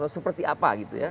seperti apa gitu ya